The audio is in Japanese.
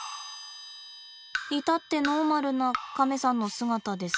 至ってノーマルなカメさんの姿です。